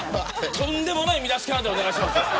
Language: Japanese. とんでもない見出しからでお願いします。